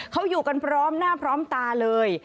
เขาอยู่กันพร้อมหน้าพร้อมตาเลย